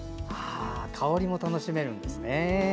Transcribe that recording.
香りも楽しめるんですね。